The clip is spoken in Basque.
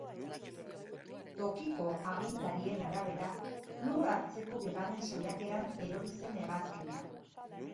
Tokiko agintarien arabera, lur hartzeko bigarren saiakeran erori zen hegazkina.